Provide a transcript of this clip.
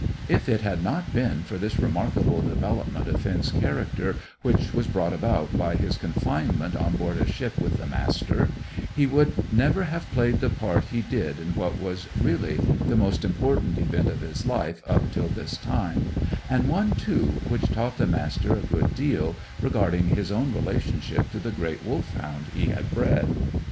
If it had not been for this remarkable development of Finn's character which was brought about by his confinement on board a ship with the Master, he would never have played the part he did in what was really the most important event of his life up till this time; and one, too, which taught the Master a good deal, regarding his own relationship to the great Wolfhound he had bred.